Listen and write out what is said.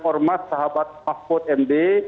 hormat sahabat mahfud md